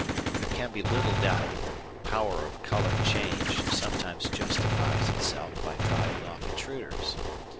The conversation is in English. There can be little doubt that the power of colour change sometimes justifies itself by driving off intruders.